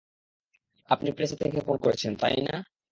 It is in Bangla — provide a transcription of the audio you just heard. আপনি প্রেসে থেকে ফোন করেছেন, তাই না?